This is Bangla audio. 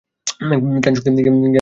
জ্ঞান শক্তি ও মুক্তির মিশ্রণ।